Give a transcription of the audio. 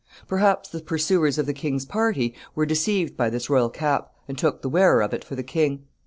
Perhaps the pursuers of the king's party were deceived by this royal cap, and took the wearer of it for the king.